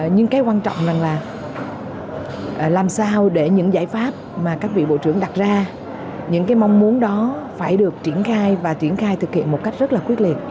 nhưng cái quan trọng rằng là làm sao để những giải pháp mà các vị bộ trưởng đặt ra những cái mong muốn đó phải được triển khai và triển khai thực hiện một cách rất là quyết liệt